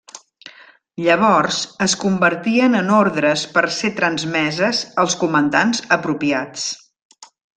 Llavors, es convertien en ordres per ser transmeses als comandants apropiats.